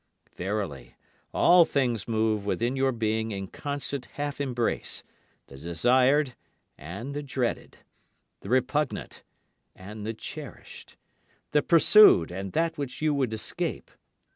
Verily all things move within your being in constant half embrace, the desired and the dreaded, the repugnant and the cherished, the pursued and that which you would escape.